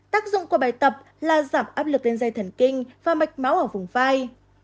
tác dụng của bài tập là giảm áp lực lên dây thần kinh và mạch máu ở vùng phai